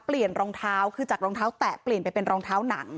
รองเท้าคือจากรองเท้าแตะเปลี่ยนไปเป็นรองเท้าหนัง